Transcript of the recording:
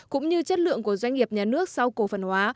cũng như chất lượng của doanh nghiệp nhà nước sau cổ phần hóa